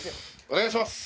お願いします。